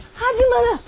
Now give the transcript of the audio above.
始まる！